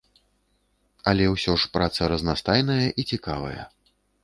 Але ўсё ж праца разнастайная і цікавая.